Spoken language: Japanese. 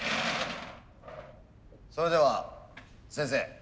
それでは先生